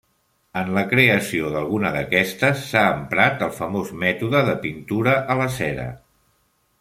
En la creació d'alguna d'aquestes, s'ha emprat el famós mètode de pintura a la cera.